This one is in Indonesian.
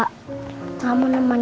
aku mau ke rumah